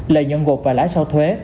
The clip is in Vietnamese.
lợi nhận gột và lãi sau thuế